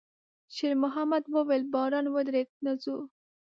شېرمحمد وويل: «باران ودرېد، نه ځو؟»